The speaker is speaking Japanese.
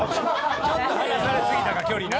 ちょっと離されすぎたか距離な。